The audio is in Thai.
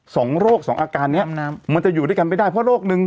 สองโรคสองอาการเนี้ยมันจะอยู่ด้วยกันไม่ได้เพราะโรคนึง